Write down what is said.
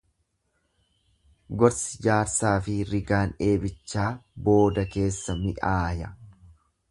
Gorsi jaarsaafi rigaan eebichaa booda keessa mi'aaya.